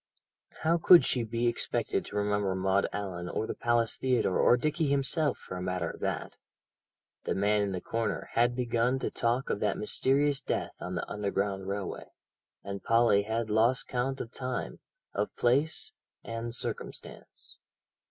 How could she be expected to remember Maud Allan or the Palace Theatre, or Dickie himself for a matter of that? The man in the corner had begun to talk of that mysterious death on the underground railway, and Polly had lost count of time, of place, and circumstance.